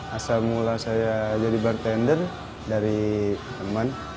asal mula saya jadi bartender dari teman